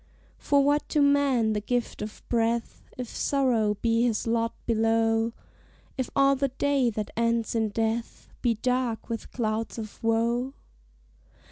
For what to man the gift of breath, If sorrow be his lot below; If all the day that ends in death Be dark with clouds of woe?